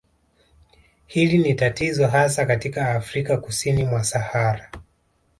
Hili ni tatizo hasa katika Afrika kusini mwa Sahara